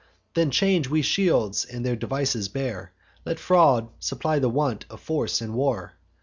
Then change we shields, and their devices bear: Let fraud supply the want of force in war.